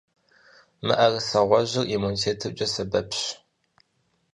Мыӏэрысэ гъуэжьыр иммунитетымкӀэ сэбэпщ.